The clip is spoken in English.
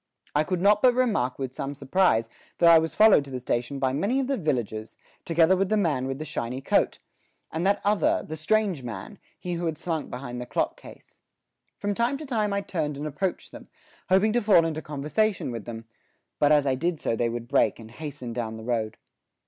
I could not but remark with some surprise that I was followed to the station by many of the villagers, together with the man with the shiny coat, and that other, the strange man, he who had slunk behind the clock case. From time to time I turned and approached them, hoping to fall into conversation with them; but as I did so they would break and hasten down the road.